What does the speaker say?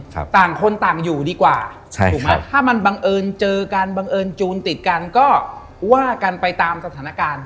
ต่างคนต่างอยู่ดีกว่าใช่ถูกไหมถ้ามันบังเอิญเจอกันบังเอิญจูนติดกันก็ว่ากันไปตามสถานการณ์